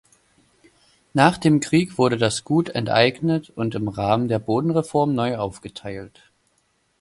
Nach dem Krieg wurde das Gut enteignet und im Rahmen der Bodenreform neu aufgeteilt.